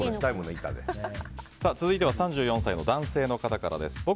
続いては３４歳の男性からです。